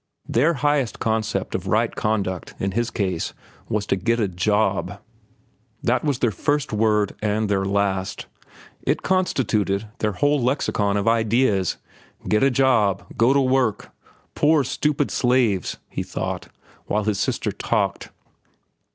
Their highest concept of right conduct, in his case, was to get a job. That was their first word and their last. It constituted their whole lexicon of ideas. Get a job! Go to work! Poor, stupid slaves, he thought, while his sister talked.